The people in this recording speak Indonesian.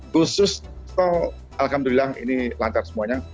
khusus alhamdulillah ini lancar semuanya